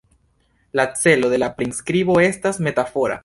La celo de la priskribo estas metafora.